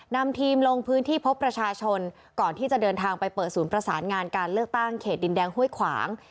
นำทีมลงพื้นที่พบประชาชนก่อนที่จะเดินทางไปเปิดศูนย์ประสานงานการเลือกตั้งเขตดินแดงห้วยขวาง